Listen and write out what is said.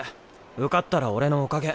受かったら俺のおかげ。